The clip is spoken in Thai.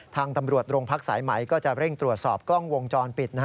ทางตำรวจโรงพักสายไหมก็จะเร่งตรวจสอบกล้องวงจรปิด